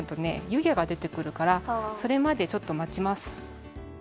ゆげがでてくるからそれまでちょっとまちます。